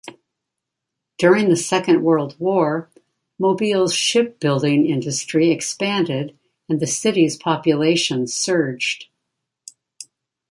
During the Second World War, Mobile's shipbuilding industry expanded and the city's population surged.